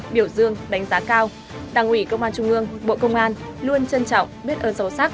biểu dương đánh giá cao đảng ủy công an trung ương bộ công an luôn trân trọng biết ơn sâu sắc